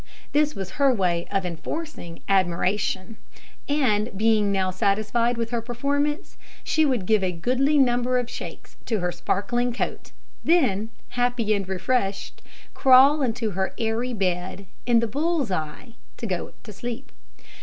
This was her way of enforcing admiration; and being now satisfied with her performance, she would give a goodly number of shakes to her sparkling coat, then, happy and refreshed, crawl into her airy bed in the bull's eye, and go to sleep.